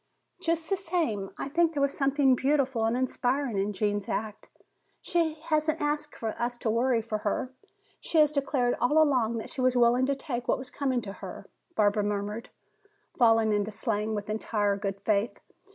"Just the same, I think there was something beautiful and inspiring in Gene's act. She hasn't asked us to worry over her. She has declared all along that she was willing to take what was coming to her," Barbara murmured, falling into slang with entire good faith.